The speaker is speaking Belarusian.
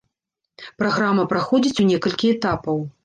Праграма праходзіць у некалькі этапаў.